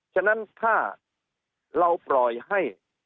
ฉะนั้นถ้าเราปล่อยให้